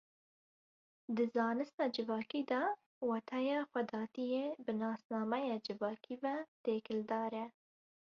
Di zanista civakî de wateya xwedatiyê bi nasnameya civakî ve têkildar e.